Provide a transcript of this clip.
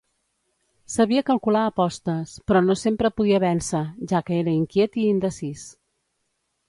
Sabia calcular apostes, però no sempre podia vèncer, ja que era inquiet i indecís.